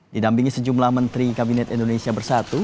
didampingi sejumlah menteri kabinet indonesia bersatu